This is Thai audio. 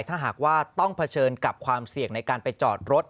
ถ้าหากว่าต้องเผชิญกับความเสี่ยงในการไปจอดรถ